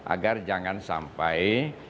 agar jangan sampai